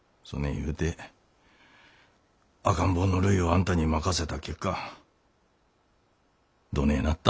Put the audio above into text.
言うて赤ん坊のるいをあんたに任せた結果どねえなった？